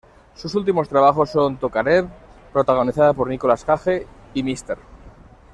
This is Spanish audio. Sus últimos trabajos son "Tokarev", protagonizada por Nicolas Cage, y "Mr.